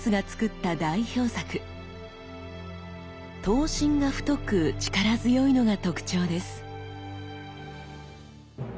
刀身が太く力強いのが特徴です。